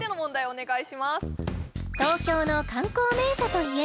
お願いします